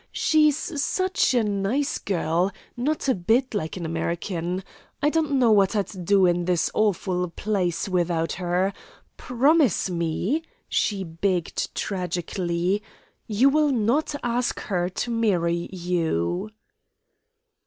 She's such a nice gell; not a bit like an American. I don't know what I'd do in this awful place without her. Promise me," she begged tragically, "you will not ask her to marry you."